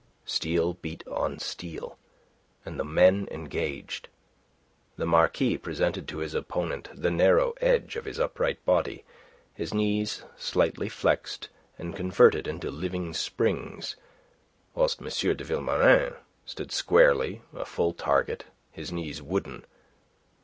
Steel beat on steel, and the men engaged. The Marquis presented to his opponent the narrow edge of his upright body, his knees slightly flexed and converted into living springs, whilst M. de Vilmorin stood squarely, a full target, his knees wooden.